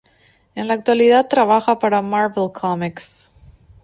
En la actualidad trabaja para "Marvel Comics".